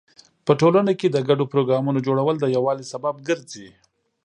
په ټولنه کې د ګډو پروګرامونو جوړول د یووالي سبب ګرځي.